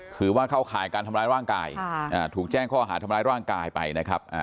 คือว่าเข้าข่ายการทำร้ายร่างกายถูกแจ้งข้อหาทำร้ายร่างกายไปนะครับ